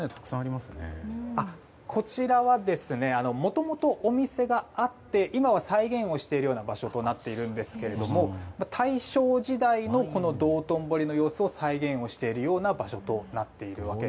こちらはもともとお店があって今は再現をしているような場所となっているんですが大正時代の道頓堀の様子を再現しているような場所となっているわけです。